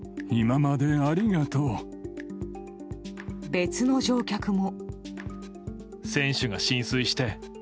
別の乗客も。